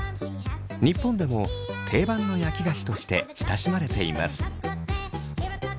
日本でも定番の焼き菓子として親しまれています。